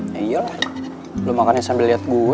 ya iyalah lo makannya sambil liat gue